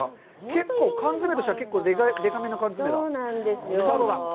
結構缶詰としてはでかめの缶詰だ。